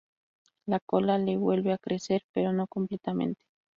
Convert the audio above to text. La cola le vuelve a crecer pero no completamente.